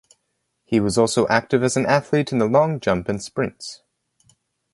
He was also active as an athlete in the long jump and sprints.